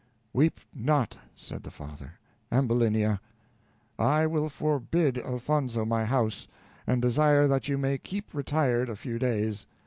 "Weep not," said the father, "Ambulinia. I will forbid Elfonzo my house, and desire that you may keep retired a few days.